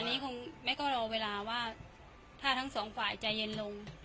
อันนี้คงแม่ก็รอเวลาว่าถ้าทั้งสองฝ่ายใจเย็นลง